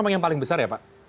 memang yang paling besar ya pak